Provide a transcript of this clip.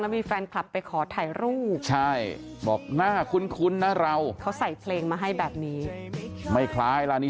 มีแฟนคลับไปขอถ่ายรูปใช่บอกน่าคุ้นนะเราเขาใส่เพลงมาให้แบบนี้ไม่คล้ายล่ะนี่